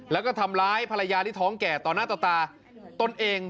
แล้วก็ทำร้ายภรรยาที่ท้องแก่ต่อหน้าต่อตาตนเอง